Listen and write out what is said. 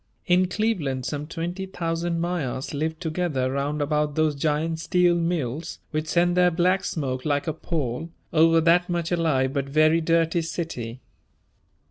In Cleveland some twenty thousand Magyars live together round about those giant steel mills which send their black smoke like a pall over that much alive but very dirty city.